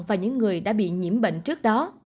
và những người đã bị nhiễm bệnh trước đó